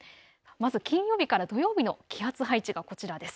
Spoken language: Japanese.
まず金曜日から土曜日の気圧配置がこちらです。